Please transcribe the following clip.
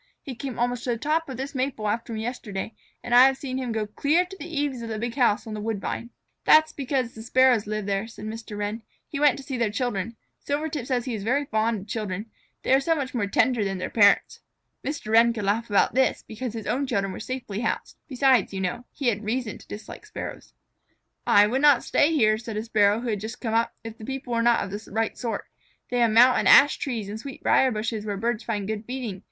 He came almost to the top of this maple after me yesterday, and I have seen him go clear to the eaves of the big house on the woodbine." "That is because the Sparrows live there," said Mr. Wren. "He went to see their children. Silvertip says that he is very fond of children they are so much more tender than their parents." Mr. Wren could laugh about this because his own children were always safely housed. Besides, you know, he had reason to dislike Sparrows. "I would not stay here," said a Sparrow who had just come up, "if the people here were not of the right sort. They have mountain ash trees and sweetbrier bushes where birds find good feeding.